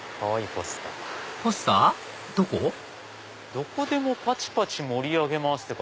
どこでもパチパチ盛り上げます？